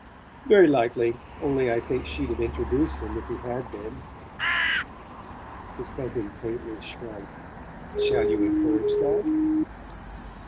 "Very likely. Only I think she'd have introduced him if he had been." His cousin faintly shrugged. "Shall you encourage that?"